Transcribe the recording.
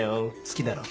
好きだろ。